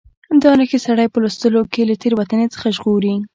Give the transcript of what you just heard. دا نښې سړی په لوستلو کې له تېروتنې څخه ژغوري.